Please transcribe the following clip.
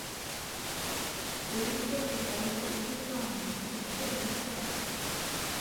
Wige ijambo ry’Imana naryo rirafsha.